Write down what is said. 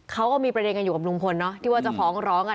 เขาก็มีประเด็นอยู่กับลุงพลที่ว่าจะห้องร้อง